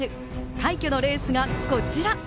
快挙のレースがこちら。